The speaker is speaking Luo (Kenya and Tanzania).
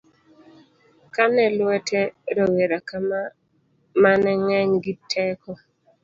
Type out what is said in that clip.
kane lwete rowera ka mane ng'eny gi teko